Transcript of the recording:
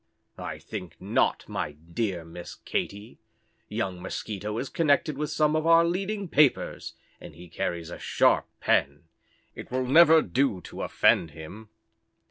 "I think not, my dear Miss Katy. Young Mosquito is connected with some of our leading papers, and he carries a sharp pen. It will never do to offend him."